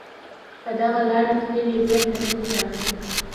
په دغه لاره تللي بېرته نه دي راغلي